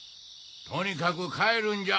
とにかく帰るんじゃ！